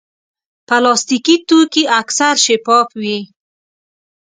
پلاستيکي توکي اکثر شفاف وي.